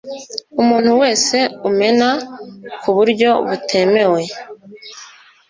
umuntu wese umena ku buryo butemewe